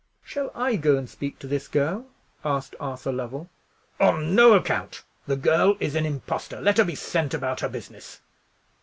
"Shall I go and speak to this girl?" asked Arthur Lovell. "On no account! The girl is an impostor. Let her be sent about her business!"